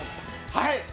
はい！